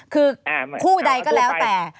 คือคู่ใดก็แล้วแต่